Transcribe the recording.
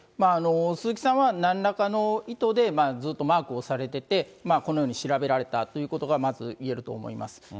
鈴木さんは、なんらかの意図でずっとマークをされていて、このように調べられたということがまずいえると思います。